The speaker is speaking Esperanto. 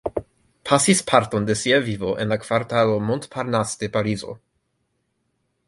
Pasis parton de sia vivo en la kvartalo Montparnasse de Parizo.